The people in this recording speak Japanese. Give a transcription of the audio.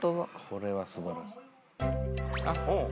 これは素晴らしい。